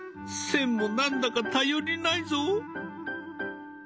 線も何だか頼りないぞ。